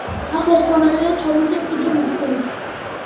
ახლა სხვა ნაირად ჩავწეროთ კიდევ რიცხვები.